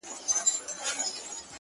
• د اله زار خبري ډېري ښې دي ـ